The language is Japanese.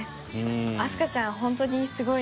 明日香ちゃんは本当にすごいなと。